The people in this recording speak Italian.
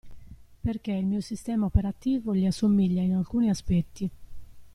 Perché il mio sistema operativo gli assomiglia in alcuni aspetti.